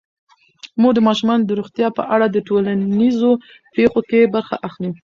مور د ماشومانو د روغتیا په اړه د ټولنیزو پیښو کې برخه اخلي.